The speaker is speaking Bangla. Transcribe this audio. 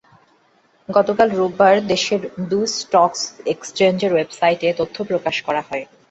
গতকাল রোববার দেশের দুই স্টক এক্সচেঞ্জের ওয়েবসাইটে এ তথ্য প্রকাশ করা হয়।